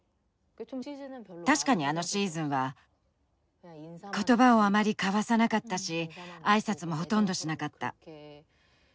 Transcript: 確かにあのシーズンは言葉をあまり交わさなかったし挨拶もほとんどしなかった。